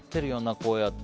こうやって。